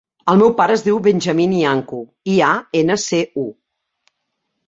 El meu pare es diu Benjamín Iancu: i, a, ena, ce, u.